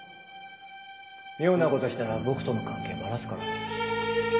妙な事をしたら僕との関係ばらすからね。